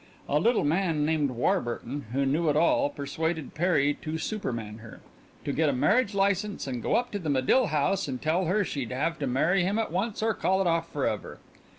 A little man named Warburton, who knew it all, persuaded Perry to superman her, to get a marriage license and go up to the Medill house and tell her she'd have to marry him at once or call it off forever.